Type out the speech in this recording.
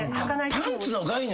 パンツの概念